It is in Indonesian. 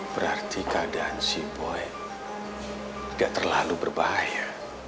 berarti keadaan si boy gak terlalu berbahaya